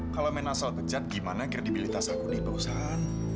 kalau menasal pecat gimana kredibilitas aku di perusahaan